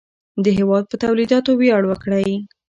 د هېواد په تولیداتو ویاړ وکړئ.